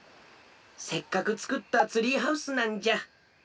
せっかくつくったツリーハウスなんじゃ。